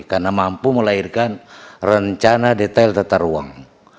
karena mampu melahirkan rencana detail tataruang